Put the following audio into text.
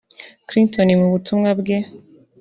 Clinton mu butumwa bwe